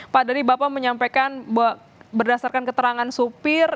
pak dari bapak menyampaikan berdasarkan keterangan supir